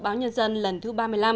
báo nhân dân lần thứ ba mươi năm